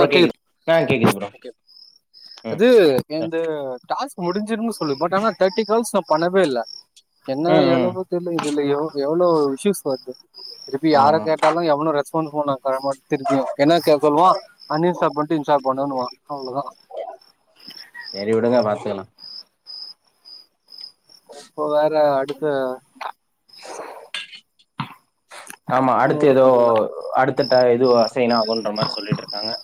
ஆ கேக்குது ஆ கேக்குது ப்ரோ ஓகே ம் அது என்து டாஸ்க் முடிஞ்சுரு சொல்லு பட் ஆனா தேர்டி கால்ஸ் நா பண்ணவே இல்ல என்ன ம் ம் எளவு தெர்ல இதுல எவ் எவ்ளோ இஷ்யூஸ் வர்து இப்ப யார ம் கேட்டாலு எவனு ரெஸ்பான்ஸ் பண்ணக்கா திருப்பியு என்ன சே சொல்லுவா அன் இன்ஸ்டால் பண்ணிட்டு இன்ஸ்டால் பண்ணுனுவா அவ்ளோதா செரி விடுங்க பாத்துக்கலா இப்போ வேற அடுத்த ஆமா அடுத்து இன்னொரு எதோ அக்கௌண்ட் தான் அடுத்து டா இது அசைன் ஆகுன்ற மாரி சொல்லிட்டுருக்காங்க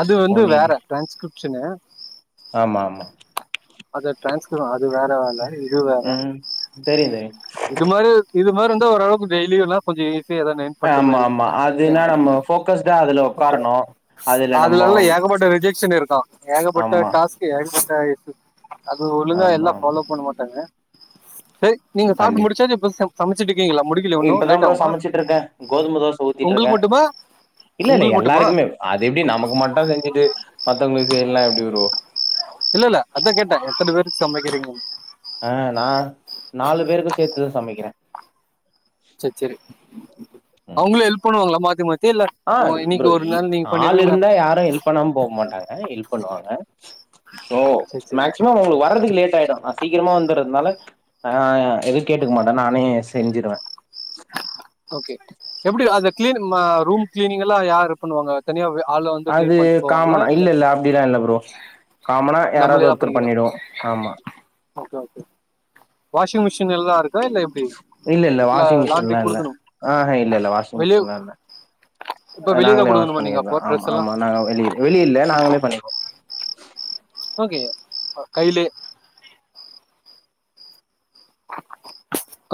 அது வந்து வேற டிரான்ஸ்கிரிப்ஷனு ஆமாமா அது டிரான்ஸ்கிப் அது வேற வேல இது வேற ம் தெரியு தெரியு இது மாரி இது மாரி இருந்தா ஓரளவுக்கு டெய்லியுல்லா கொஞ்ச ஈ ஸியா எத ஏர்ன் ஆமாமா அதுனா நம்ம போக்கஸ்டா அதுல ஒக்காரனு அதுலல்லா ஏகப்பட்ட ரிஜெக்ஷன் இருக்கா ஏகப்பட்ட ஆமா டாஸ்க் க்கு கேள்விப்பட்ட அது ஒழுங்கா எல்லா ஆமா ஆமா ஃபாலோ பண்ண மாட்டாங்க சரி நீங்க சாப்ட்டு கண்டிப்பா முடிச்சாச்சா இப்ப ச சமைச்சிட்டு இருக்கீங்களா முடிக்கல உன்னு இப்பதா லேட் ப்ரோ ஆகுமா சமைச்சிட்டு இருக்கே உங்களுக் மட்டுமா இல்லல்ல உங்களுக்கு மட்டுமா எல்லாருக்குமே அது எப்டி நமக்கு மட்டு செஞ்சுட்டு மத்தவங்களுக்கு செய்யல்லன எப்டி ப்ரோ இல்லல்ல அதா கேட்டே எத்தன பேருக்கு சமைக்கிறீங்கன்னு ஆ நா நாலு பேருக்கு சேத்துதா சமைக்கிறே செர் செரி அவங்களு ஹெல்ப் பண்ணுவாங்களா மாத்தி மாத்தி இல்ல ஆ ஓ, இன்னைக்கு ப்ரோ ஒரு இ நாள் நீங்க ஆள் பண்ணிடுவீங்களா இருந்தா யாரு ஹெல்ப் பண்ணாம போ மாட்டாங்க ஹெல்ப் பண்ணுவாங்க சோ சரி சரி மேக்ஸி மோ அவங்களுக்கு வரதுக்கு லேட் ஆயிடு நா சீக்கரமா வந்துறதுனால ஆ எதுவு கேட்டுக்க மாட்டே நானே செஞ்சிருவே ஓகே எப்டி அது கிளீன் ம ரூம் கிளீனிங் எல்லா யாரு பண்ணுவாங்க தனியா வே- ஆளை வந்து கிளீன் அது பண்ணிட்டு போவாங்களா காமனா இல்ல இல்ல அப்டில்லா இல்ல ப்ரோ காமனா நம்மளே யாராவ்து தான் ஒருத்தர் பண்ணிக்கிறோம் பண்ணிடுவோ ஆமா ஓகே ஓகே வாஷிங் மிஷின் எல்லா இருக்கா இல்ல எப்டி இல்ல வாஷிங் லாண்ட்ரி மிஷின்லா இல்ல குடுக்கணு ஆஹ இல்ல இல்ல வாஷிங் வெளிய மிஷின்லா இல்ல இப்ப வெளியதா நாங்களே வாஷ் குடுக்கணுமா நீங்க பண்ணிகிறதா அப்போ ஆமா ட்ரெஸ் எல்லா ஆமா நாங்க வெளிய வெளியில்ல நாங்களே பண்ணிக்குவோ ஓகே ஒ கைலே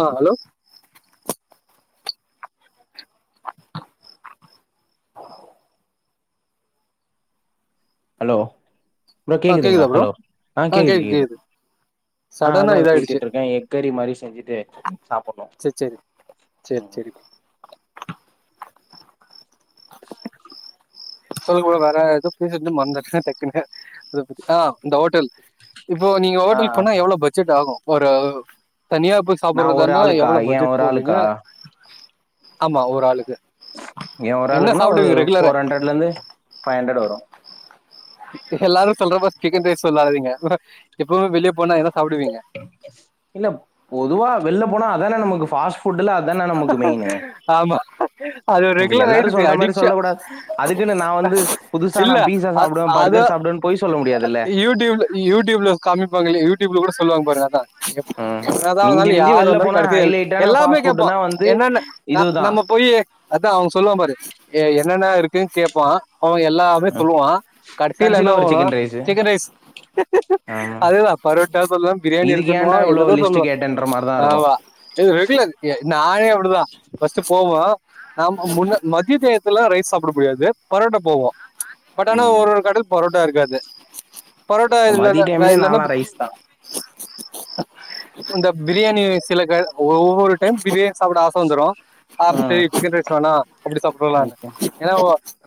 ஆ ஹலோ ஹலோ ப்ரோ ஆ கேக்குதுங்ளா கேக்குதா ப்ரோ ஹலோ ஆ கேக்குது கேக்து ஆ சடனா அதா இதாயிடுச்சு ஊத்திட்டு இருக்கே எக் கரி மாரி செஞ்சுட்டு சாப்புட்னு சேர் செரி சொல்லுங்க ப்ரோ வேற எதோ பேசிட்ருந்தோ மறந்தாச்சு டக்குன்னு எத பத்தி ஆ இந்த ஹோட்டல் இப்போ நீங்க ஆ ஓட்டலுக்கு ஆ போனா எவ்ளோ பட்ஜெட் ஆகு ஒரு தனியா போய் நா சாப்பட்றதா ஒரு இருந்தா ஆளுக்கா எவ்ளோ ஏ பட்ஜெட் ஒரு போவீங்க ஆளுக்கா ஆமா ஒரு ஆளுக்கு ஏ என்ன ஒராளுக்குன்னா ஒரு சாப்பிடுவீங்க ரெகுலரா ஃபோர் ஹண்ட்ரட்லேந்து ஃபைவ் ஹண்ட்ரட் வரு எல்லாரு சொல்ற மார் சிக்கன் ரைஸ் சொல்லாதீங்க ப்ரோ எப்பவுமே வெளிய போனா என்ன சாப்புடுவீங்க இல்ல பொதுவா வெள்ல போனா அதான நமக்கு பாஸ் ஆமா அது ஒரு நம்ம ரெகுலர் எல்லாரும் ஆயிடுச்சு சொல்ற மாதிரி சொல்லக் அடிக்ஷன் கூடாது அதுக்குன்னு நான் வந்து புதுசா இல்ல நான் பீஸா அ சாப்டுவன் பர்கர் சாப்டுவன்னு பொய் சொல்ல முடியாதுல்ல நீ யூடியூப்ல காமிப்பாங்க யூடியூப்ல கூட சொல்லுவாங்க பாருங்க அதான் ம் என்ன தான் மிஞ்சி வந்தாலும் மிஞ்சி யாரு வெள்ல வந்தாலும் போனா கடைசியா எல் ஹைலைட்டான எல்லாமே ஃபாஸ்ட் ஃபுட்னா கேப்பான் வந்து என்னன்னு இதுதா நம்ம போய் அதான் அவ சொல்லுவான் பாரு என்னென்ன இருக்குன்னு கேப்பான் அவுங்க எல்லா சொல்லுவான் கடைசியில கடைசில என்ன ஒரு சொல்லுவா சிக்கன் ரைஸு சிக்கன் ரைஸ் ஆமா அததான் பரோட்டா சொல்லுவான் பிரியாணி இதுக்கு ஏன்டா இருக்குணுவான் இவ்ளோ ஏதேதோ லிஸ்ட் சொல்லுவான் கேட்டேன்ற மாரிதா இருக்கு ஆமா இது ரெகுலர் நானே அப்படிதான் ஃபர்ஸ்ட்டு போவோம் நம்ம முன்ன மத்திய டயத்துல ரைஸ் சாப்புட முடியாது பரோட்டா போவோம் பட் ஆனா ம் ஒரு ஒரு கடையில பரோட்டா இருக்காது பரோட்டா இல்லா மதிய டைம்லயே இல்லனா நாலா ரைஸ் தா அந்த பிரியாணி சில கடை ஒவ்வொரு டைம் பிரியாணி சாப்பிட ஆசை வந்துரும் ம் சரி சிக்கன் ரைஸ் வேணாம் பிரியாணி சாப்டலாம்னு ஓகே ஏன்னா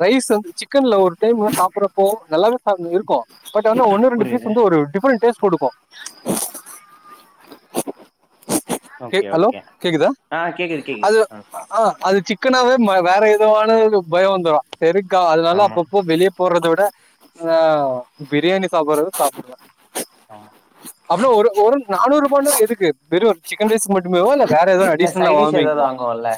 ரைஸ் வந்து சிக்கன்ல ஒரு டைம் சாப்படுறப்போ நல்லாவே சாப்ப இரு க்கு பட் ஆனா ஒன்னு ரெண்டு பீஸ் புரியுது வந்து ஒரு டிஃப்ரெண்ட் டேஸ்ட் கொடுக்கும் கே ஓகே ஹலோ ஓகே கேக்குதா ஆ கேக்குது கேக்குது அது ம் ஆ அது சிக்கனாவே வேற எதுவான் பயம் வந்துரும் தெருக்கா அதனால ஆமா அப்பப்போ வெளிய போடுறத விட ஆ பிரியாணி சாப்பிடுறது சாப்டலாம் ஆ அப்புனா ஒரு ஒரு நானூறு ரூபான்னா எதுக்கு வெறும் சிக்கன் ரைஸ் மட்டுமேவா இல்ல வேற எதும் இல்ல அடிஷ்னலா சைடிஷ் ஏதாவது வாங்குவீங்களா வாங்குவோல்ல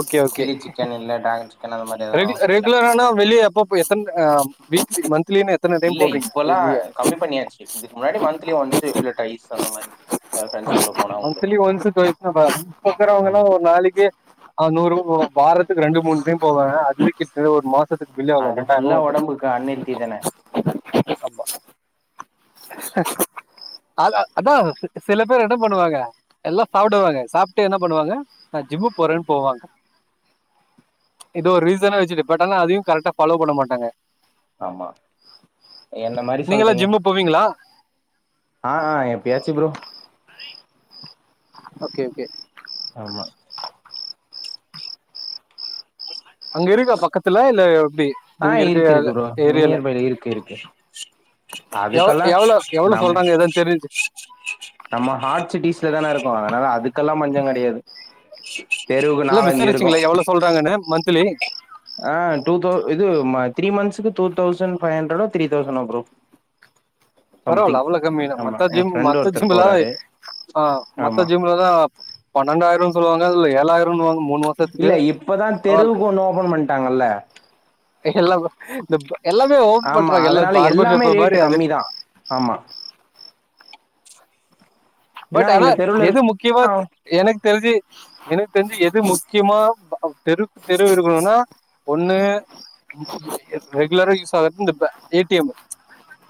ஓகே ஓகே சில்லி சிக்கன் இல்ல டிராகன் சிக்கன் அந்த மாரி ஏதாவது ரெகுல வாங்குவோல்ல ரெகுலரானா வெளிய எப்ப ப்ப எத்தன் அ ஆ வீக்லி மன்த்லின்னா எத் இல்ல இப்பல்லாம் கம்மி பண்ணியாச்சு இதுக்கு முன்னாடி மந்த்த்லி ஒன்ஸ் இல்ல டைஸ் அந்த மாரி அ ஃப்ரெண்ட்ஸ் கூட போனா உண்டு மந்த்லி ஒன்ஸ் டைஸ்னா பரவ்யில்ல இப்ப இருக்குறவுங்களா ஆமா நாளைக்கு நூறு வாரத்துக்கு ரெண்டு மூணு டைம் போவங்க அது கிட்ட ஒரு மாசம் அது ஃபுல்லா உடம்புக்கு அன்ஹெல்த்தி தான அத அதான் சில பேர் என்ன பண்ணுவாங்க எல்லாம் சாப்பிடுவாங்க சாப்ட்டு என்ன பண்ணுவாங்க நா ஜிம்முக்கு போறேன்னு போவாங்க இது ஒரு ரீசனா வச்சுட்டு பட் ஆனாஸஅதையும் கரெக்டா ஃபாலோ பண்ணமாட்டாங்க ஆமா என்ன மாரி நீங்க எல்லாம் சொல்றீங்க ஜிம்மு போவீங்களா ஆ ஆ எப்பயாச்சி ப்ரோ ஓகே ஓகே ஆமா [inaudible] அங்க இருக்கா பக்கத்துல இல்ல எப்படி ஆ நீங்க இருக்க இருக்கு இருக்கு ப்ரோ ஏரியால நியர்பைல இருக்கு இருக்கு எவ்- அதுக்கல்ல எவ்வளவு எவ்வளவு நம்ம சொல்றாங்க எதாவது தெரிஞ்சு நம்ம ஹாட் சிட்டிஸ்ல தான இருக்கோம் அதனால அதுக்கெல்லாம் பஞ்சம் கிடையாது தெருவுக்கு நாலஞ்சு இருக்கும் ப்பாங்கன்ன மந்த்லி ஆ டூ தௌ இது த்ரீ மந்த்ஸ்க்கு டூ தௌசண்ட் பைவ் ஹண்ட்ரடோ த்ரீ தௌசண்ன ப்ரோ [inaudible] பரவால சம்திங் அவுள கம்மியாரு ஆமா மத்த என் ஜிம் ஃப்ரெண்ட் மத்த ஒருத்தர் ஜிம்புலா போறாரு ஆ மத்த ஆமா ஜிம் முலலா பன்னெண்டாய்ரோ சொல்லுவாங்க இல்ல ஏழாய்ருன்வாங்க மூணு மாஸ் இல்ல இப்பதா தெருவுக்கு ஒன்னு ஓபன் பண்ட்டாங்கல்ல எல்லா ப்ரோ இந்த எல்லாமே ஓபன் ஆமா பன்றாங்க எல்லா அதனால பார்பர் எல்லாமே ஷாப்பு ரேட்டு மாரி அது கம்மி தா ஆமா ஏன்னா பட் ஆனா எங்க தெருவுல எது இருக் முக்கியமாத்து எனக்கு தெரிஞ்சு எனக்கு தெரிஞ்சு எது முக்கியமா தெருவுக்கு தெரு இருக்கணுனா ஒன்னு புத்சு புசே எத் ரெகுலரா யூஸ் ஆகற்து இந்த ப ஏ டி எமு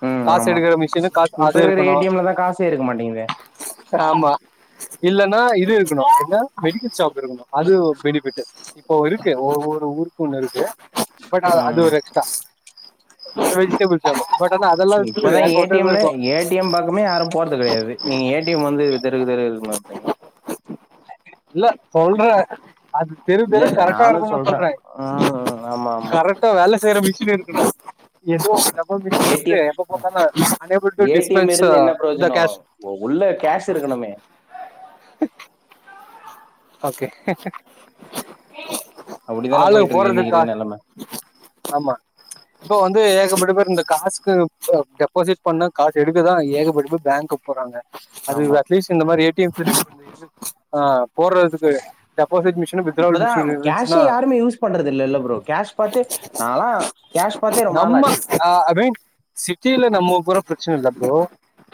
ம் காசு ஆமா எடுக்கிற மிஷினு காசு அது இருக்கணு சே இருக்க மாட்டேங்குதே பெற ஆமா இல்லனா இது இருக்குணு என்ன மெடிக்கல் ஷாப் இருக்குணு அது ஒர் பெனிஃபிட்டு இப்போ இருக்கு ஒவ்வொரு ஊருக்கு ஒன்னு இருக்கு பட் அதா அது ம் ஒரு எக்ஸ்ட்ரா வெஜிடெபிள் சாபு பட் ஆனா அதெல்லா வச்சு இப்பதா ஏ டி ஹோட்டல் எம் ல இருக்கு ஏ டி எம் பக்கமே யாரு போறது கெடையாது நீ ஏ டி எம் வந்து இது தெருகு தெரு எதுக்குமா பே இல்ல சொல்றே அது தெரு இல்ல தெரு இல்ல கரெக்ட்டா நானு இருக்குனு சொல்றே ம் ஆமா ஆமா கரெக் ட்டா வேல செய்ற மிஷின் இருக்குணு எதோ நம்ம ஏ டி எ [unintelligible] எப்ப பாத்தாலு unable to dispense the cash ஓ உள்ள கேஷ் இருக்கணுமே ஓகே அப்படிதானே ஆலுங்க போயிட்டு இருக்கு இன்னைக்கு போறதிர்க்கா இருக்க நிலைமை ஆமா இப்போ வந்து ஏகப்பட்ட பேர் இந்த காசுக்கு அ டெபாசிட் பண்ண காசு எடுக்கதா ஏகப்பட்ட பேர் பேங்கு போறாங்க அது ஆமா அட்லீஸ்ட் இந்த மாரி ஏ டி எம் தெருக் ஒன்னு இரு ஆ போட்றதுக்கு டெபாசிட் மிஷினு வித்டிராவல் இப்பதான் மிஷின் இருந்துச்சுனா பாத்து நாலா கேஷ் பாத்தே ரொம்ம நாள் நம்ம ஆச்சு ஆ ஐ மீன் சிட்டில நம்ம போறோ பிரச்சன இல்ல ப்ரோ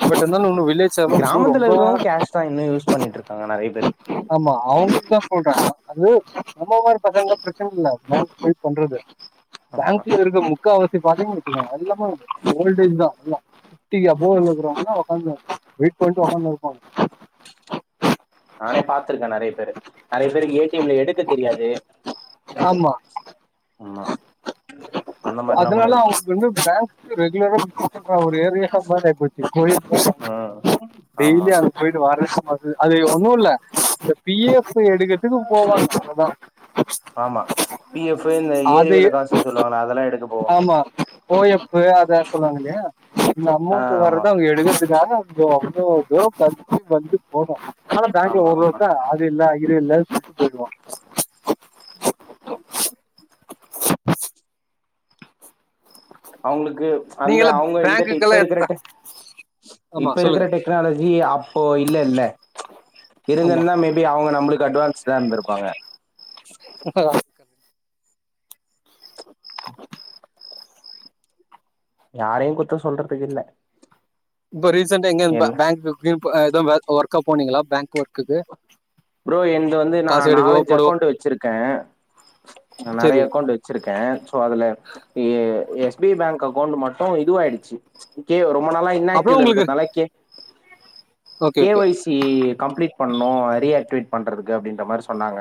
பட் இர்ந்தாலு இன்னு வில்லே கிராமத்துல இருக்றவுங் கேஷ்தா இன்னு யூஸ் பண்ணிட்ருக்காங்க நெறைய பேரு ஆமா அவுங்களுக்குதா சொல்ற அது நம்மள மாரி பசங்களுக்கு பிரச்சன இல்ல பாங்க் போய் பண்றது ஆமா பேங்க்ல இருக்க முக்காவாசி பாத்தீங் வச்சுக்கோங்க அதிகமா ஓல்டேஜ்தா எல்லா ட்டி அபோல இருக்குறவ்ங்க ஒக்காந்து வெயிட் பண்ட்டு ஒக்காந்துருப்பாங்க நானே பாத்துருக்க நெறைய பேரு நெறைய பேருக்கு ஏடி எம் ல எடுக்க தெரியாது ஆமா ஆமா அந்த மாரிலா கூட இருக்கு இன்னு பேங்குக்கு ரெகுலரா விசிட்பண்ற ஒரு ஏரியா மார் ஆய்போச்சி போயி [inaudible] ஆ டெய்லி அதுக்கு போய்ட்டு வழக்கமாசு அது ஒன்னுல்ல இந்த பி எஃப் போய் எடுக்கற்துக்கு போவாங்க அவ்ளோதா ஆமா பி எஃபா இந்த ஏரி அது வேல காசுன் சொல்லுவாங்க அதெல்லா எடுக்க போவாங்க ஓ எஃபு அத சொல்லுவாங்க இல்லையா இந்த ஆ, அமௌன்ட் ஆமா வர்றத அவ்ங்க எடுக்கறதுக்காக போவோ அங்க ஒருத்தவ்ங்க பத்து மணிக்கு போனோ ஆனா பேங்க்ல ஆமா ஒரு ஆமா வருச ஆள் அது இல்ல அகிரி இல்லன் சொல்ட்டு போய்டுவான் அவுங்குளுக்கு அந்த நீங்கல்லா அவ்ங்க இந்தட்டு இப்ப பேங்க்குக்கெல்லா எத் இருக்குறதே ஆமா இப்ப சொல்லுங்க இருக்கிறதே டெக்னாலஜி அப்போ இல்லல்ல ஆமா இருந்திருந்தா மே பி அவ்ங்க நம்புளுக்கு அட்வான்ஸ்டா இருந்திருப்பாங்க இப்பவா யாரையு குத்த சொல்றதுக்கு இல்ல இப்ப ரீசெண்டா எங்க எல் பேங்க்கு கீங் ஆ எதும் ஒர்க் ஒர்க்கா போனீங்களா பேங்க் ஒர்க்குக்கு ப்ரோ என்து வந்து நா காசு எடுக்கவோ நாலஞ்சு போடவோ அக்கவுண்டு வெச்சிருக்கே நா நெறைய செரி அக்கவுண்டு வெச்சிருக்க சோ அதுல A S P bank account மட்டு இதுவாயிடுச்சி கே ரொம்ப நாளா இன் அப்றோ ஆக்டிவ் உங்களுக்கு இருக்கறதுனால K okay K okay Y C complete பண்ணு ரி ஆக்ட் டிவேட் பண்றதுக்கு அப்டின்ற மாரி சொன்னாங்க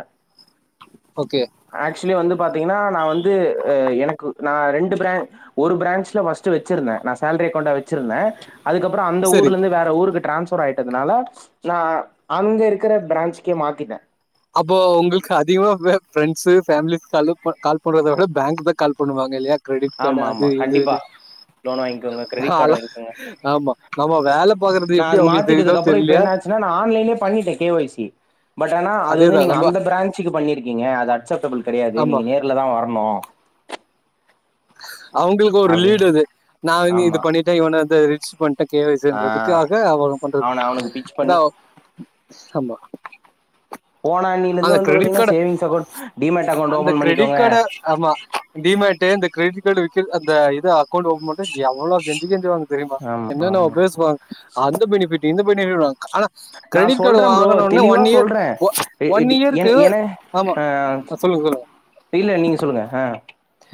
ஓகே ஆக்சுவலி வந்து பாத்தீங்கன்னா நா வந்து ஆ எனக்கு நா ரெண்டு பிரா ஒரு பிரான்ச்ல ஃபஸ்ட்டு வச்சிருந்த நா சேல்ரி அக்கௌண்டா வச்சிருந்த அதுக்கப்புற அந்த செரி ஊர்ல இருந்து வேற ஊருக்கு ட்ரான்ஸ்ஃபர் ஆயிட்டதுனால நா அங்க இருக்கிற பிரான்ச் கே மாத்திட்டே அப்போ உங்களுக்கு அதிகமாவே ஃப்ரெண்ட்ஸு ஃபேமிலிஸ் ஹலோ ப கால் பண்றதைவிட பேங்க் தா கால் பண்ணுவாங்க இல்லையா க்ரெடிட் கார்டு ஆமா, அது ஆமா. இது கண்டிப்பா. லோன் வாங்கிக்கோங்க. கிரெடிட் கார்டு நாலா வாங்கிக்கோங்க. ஆமா நம்ம வேல பாக்குறது எப்டி அவுங்களுக்கு தெரிதோ தெர்லியா ஏனா ஆன்லைன்லே பண்ணிட்டே கே ஒய் சி பட் ஆனா அது வந்து அதேதா நீங்க நம்ம அந்த பிரான்ச்சுக்கு பண்ணிருக்கீங்க அது அக்செப்டபிள் கெடையாது ஆமா நீங்க நேர்ல தா வரனு அவுங்களுக்கு ஒரு அப்படின்னு லீடு அது நானு இது ஆமா. பண்ணிட்டே இவன அது ரிச் பண்ட்ட கே ஒய் ஆ சின்றதுக்காக அவங்க பண்றது அவன அவனுக்கு பிட்ச் அதா பண்ணி ஆமா போன அந்த அணிலேருந்து வந்து கிரெடிட் பாத்தீங்கன்னா கார்ட சேவிங்ஸ் அக்கௌண்ட் டிமேட் அக்கௌண்ட் அந்த ஓப்பன் கிரெடிட் பண்ணிக்கோங்க கார்ட ஆமா டிமேட்டு இந்த கிரெடிட் கார்டு விக்கறது அந்த இது அக்கவுண்டு ஓப்பன் பண்ண எவ்ளோ கெஞ்சி கெஞ்சுவாங்க தெரிமா ஆமா. என்னன்ன பேசுவாங்க அந்த பெனிஃபிட் இந்த பெனிஃபிட் ஆனா நா க்ரெடிட் கார்டு சொல்றேன் ப்ரோ வாங்குனோன்னே தெளிவா ஒன் இயர் சொல்றேன் எ ஒன் எடி என இயருக்கு என ஆமா ஆ சொல்லுங்க சொல்லுங்க இல்ல நீங்க சொல்லுங்க ஆ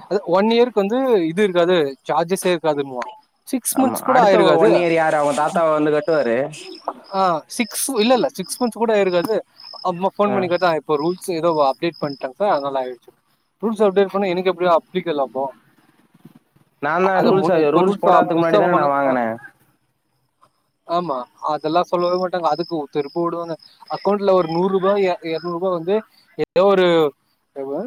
அது ஒன் இயருக்கு வந்து இது இருக்காது சார்ஜஸே இருக்காதுன்னுவா சிக்ஸ் ஆமா மந்த்ஸ் கூட அடுத்த ஒன் ஆயிருக்காது இயர் யாரு அவுங்க தாத்தாவா வந்து கட்டுவாரு ஆ சிக்ஸு இல்லல்ல சிக்ஸ் மந்த்ஸ் கூட ஆயிருக்காது அப்றமா ஃபோன் ஆ பண்ணி கேட்டாங்க இப்போ ரூல்ஸு எதோ அப்டேட் பண்ட்டாங்க சார் அதனால ஆய்டுச்சி ரூல்ஸ் அப்டேட் பண்ணா எனக்கு எப் டி அப்ளிக்கல் ஆகு நான்தா அத ரூல்ஸ முன் இப்ப ரூல்ஸ் போடாதுக்கு முன்னாடி புதுசா தானே நா பண்ண வாங்குனே ஆமா அதெல்லா சொல்லவே மாட்டாங்க அதுக்கு ஒத்தரு போடுவாங்க அக்கௌண்ட்ல ஒரு நூறுபா எ எரநூறுபா வந்து ஏதோ ஒரு எவ்ளோ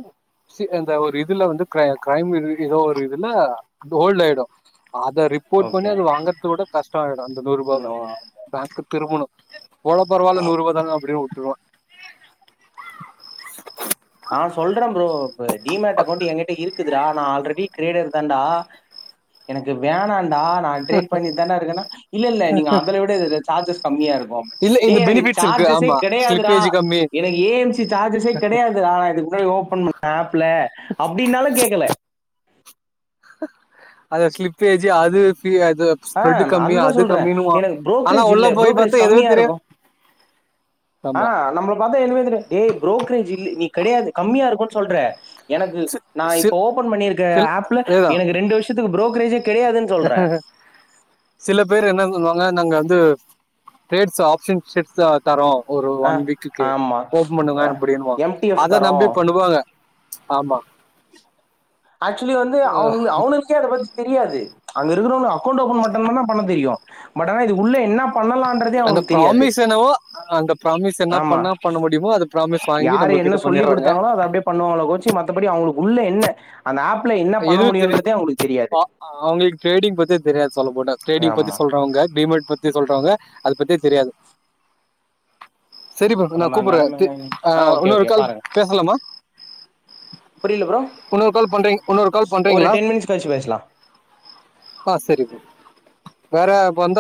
ச்சி அந்த ஒரு இதுல வந்து கிரை கிரைம் இது ஏதோ ஒரு இதுல ஹோல்ட் ஆயிடு அத ரிப் போட் பண்ணி ஓகே அது வாங்கறதுக்கு கூட கஷ்ட ஆயிடு அந்த நூறுபாவ நோ பேங்கு திருப்புணு போனா பரவால்ல நூறுவா தாங்க அப்டியே விட்ருவ நா சொல்ற ப்ரோ இப்ப டிமேட் அகௌண்ட் ஏங்கிட்ட இருக்குதுடா நா ஆல்ரெடி டிரேடர் தான்டா எனக்கு வேணான்டா நா ட்ரேட் பண்ணித்தான்டா இருக்கேன்னா இல்லல்ல நீங்க அதுல விட இதுல சார்ஜஸ் கம்மியா இருக்கு இல்ல இந்த ஏய் எனக்கு பெனிஃபிட்ஸ் இருக்கு சார்ஜஸே ஆமா கெடையாதுடா ஸ்லிப்பேஜ் கம்மி எனக்கு ஏ எம் சி சார்ஜஸே கெடையாது இதுவா நா இதுக்கு முன்னாடி ஓப்பன் பண்ண ஆப்ல அப்டின்னாலு கேக்கல அத க்ளிப் ஏஜி அது ஃப்ரீ அது ஆ ஸ்ப்ரெட் கம்மி அதுதா அது சொல்றே கம்மின்னுவான் எனக்கு ஆனா ப்ரோக்ரேஜ் உள்ள இல்ல போய் ப்ரோக்ரேஜ் பார்த்தா எதுவே கம்மியா தெரியும் இருக்கு ஆ ஆமா நம்ப பாத்தா எதுமே தெரியாது டே புரோக்கரேஜ் இல்ல நீ கெடையாது கம்மியா இருக்குன்னு சொல்ற எனக்கு சி- நா இப்ப சி- ஓபன் பண்ணிருக்க சில ஆப்ல அதேதான் எனக்கு ரெண்டு வருஷத்துக்கு புரோக்கரேஜே கெடையாதுன்னு சில பேர் என்னன் சொல்வாங்க நாங்க வந்து ட்ரேட்ஸ் ஆப்ஷன் சிட்தா தரோ ஒரு ஆ ஒன் வீக்குக்கு ஆமா. ஓபன் பண்ணுங்க அ அப்டின்னுவாங்க எம்டிஎஃப் அத நம்பி தரோம். பண்ணுவாங்க ஆமா ஆக்சுவலி வந்து அவனுங்கள அவனுக் கே அத பத்தி தெரியாது அங்க இருக்குறவங்க அக்கவுண்ட் ஓபன் மட்டு தான பண்ண தெரியு பட் ஆனா இது உள்ள என்னா பண்ணலான்றதே அந்த அவுங்களுக்கு தெரியாது ப்ராமிஸ் என்னவோ அந்த ப்ராமிஸ் என்ன ஆமா பண்ணா பண்ண முடியுமோ அது ப்ராமிஸ் வாங்கி யாரு நம்ம என்ன கிட்ட பண்ணிடுறாங்க சொல்லிகுடுதாங்களோ அத அப்டியே பண்ணுவாங்களோ கோச்சு மத்தபடி அவுங்களுக்கு உள்ள என்ன அந்த ஆப் எதுவு தெரியாது அவுங்களுக்கு ட்ரேடிங் பத்தியே தெரியாது சொல்ல போனா ட்ரேடிங் பத்தி ஆமா சொல்றவங்க டிமேட் பத்தி சொல்றவங்க அத பத்தியே தெரியாது செரி ப்ரோ அந்த நா மாரி கூப்புட்றே திரு நெலமைல ஆ ஓகே இன்னொரு ஓகே கால் பாருங்க பேசலாமா புரியல ப்ரோ இன்னொரு கால் பண்றீங்க இன்னொரு கால் ஒரு பண்றீங்ளா டென் மினிட்ஸ் கழிச்சு பேசலா ஆ செரி ப்ரோ வேற வந்தா